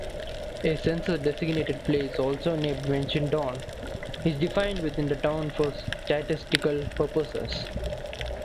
A census-designated place, also named Winchendon, is defined within the town for statistical purposes.